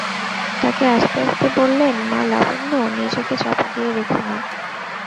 তাকে আস্তে আস্তে বললেন, মা লাবণ্য, নিজেকে চাপা দিয়ে রেখো না।